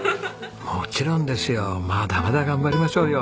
もちろんですよまだまだ頑張りましょうよ。